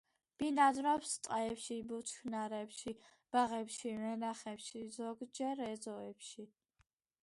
ბინადრობს ტყეებში, ბუჩქნარებში, ბაღებში, ვენახებში, ზოგჯერ ეზოებში.